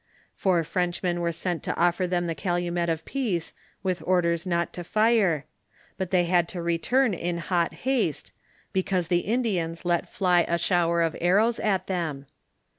Four Frenchmen were sent to offer them the calu met of peace, with ordere not to fire ; but they had to return in hot haste, because the Indians let fly a shower of arrows at them.